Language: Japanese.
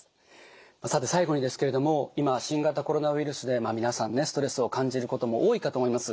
さて最後にですけれども今新型コロナウイルスで皆さんねストレスを感じることも多いかと思います。